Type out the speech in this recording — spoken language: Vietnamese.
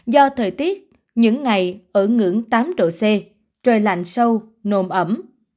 do thời tiết những ngày ở ngưỡng tám độ c trời lạnh sâu nồm ẩm